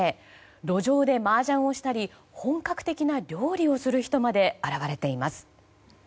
路上でマージャンをしたり本格的な料理をする人まで現れています。